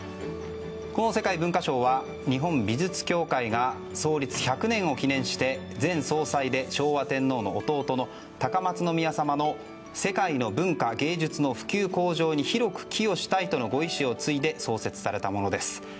この世界文化賞は日本美術協会が創立１００年を記念して前総裁で昭和天皇の弟の高松宮さまの世界の文化や芸術の普及向上に広く寄与したいとのご遺志を継いで創設されたものです。